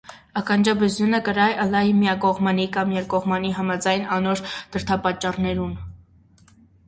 Ականջաբզզիւնը կրնայ ըլլալ միակողմանի կամ երկկողմանի համաձայն անոր դրդապատճառներուն։